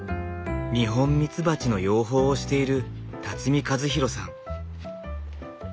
ニホンミツバチの養蜂をしている和宏さん。